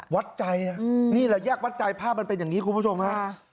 วัดใจนี่ละแยกวัดใจภาพมันเป็นอย่างนี้ครับ